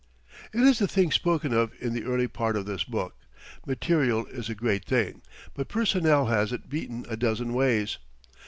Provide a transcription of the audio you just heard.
It is the thing spoken of in the early part of this book. Material is a great thing; but personnel has it beaten a dozen ways.